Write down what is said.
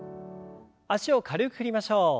脚を軽く振りましょう。